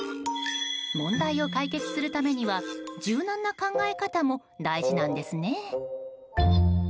問題を解決するためには柔軟な考え方も大事なんですね。